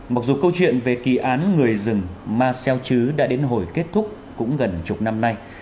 mặc dù câu chuyện về kỳ án người rừng ma xeo chứ đã đến hồi kết thúc cũng gần chục năm nay